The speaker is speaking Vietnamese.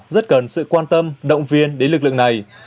rất cần sự quan tâm động viên đến lực lượng này